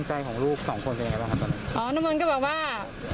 โฮนมรก์ก็บอกว่า